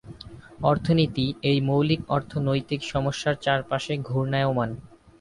অর্থনীতি এই মৌলিক অর্থনৈতিক সমস্যার চারপাশে ঘূর্ণায়মান।